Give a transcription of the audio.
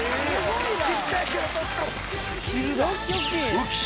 浮所